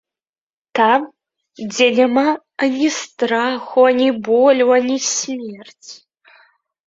Там, дзе няма ані страху, ані болю, ані смерці.